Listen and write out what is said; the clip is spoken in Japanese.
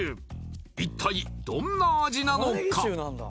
一体どんな味なのか？